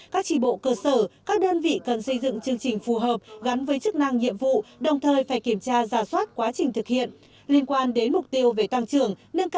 các chỉ bộ cơ sở các đơn vị cần xây dựng chương trình phù hợp gắn với chức năng nhiệm vụ đồng thời phải kiểm tra giả soát quá trình thực hiện